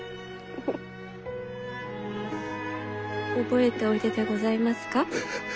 覚えておいででございますか？